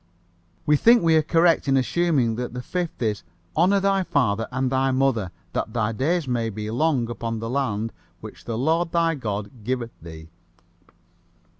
We think we are correct in assuming that the Fifth is, "Honor thy father and thy mother, that thy days may be long upon the land which the Lord thy God giveth thee."